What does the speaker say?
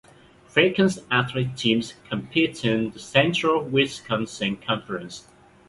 Falcons athletic teams compete in the Central Wisconsin Conference.